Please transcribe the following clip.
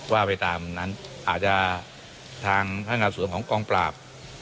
ว่าไปตามนั้นอาจจะทางพนักงานสวนของกองปราบ